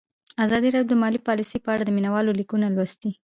ازادي راډیو د مالي پالیسي په اړه د مینه والو لیکونه لوستي.